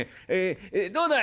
どうだい？